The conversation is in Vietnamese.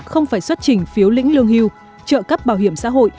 không phải xuất trình phiếu lĩnh lương hưu trợ cấp bảo hiểm xã hội